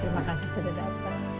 terima kasih sudah datang